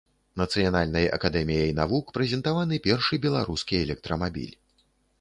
Нацыянальнай акадэміяй навук прэзентаваны першы беларускі электрамабіль.